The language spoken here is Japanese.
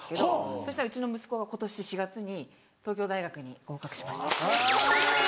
そしたらうちの息子が今年４月に東京大学に合格しました。